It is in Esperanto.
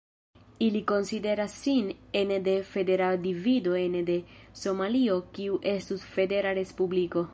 Ili konsideras sin ene de federa divido ene de Somalio kiu estus federa respubliko.